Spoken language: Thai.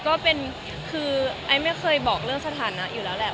ก็เป็นคือไอ้ไม่เคยบอกเรื่องสถานะอยู่แล้วแหละ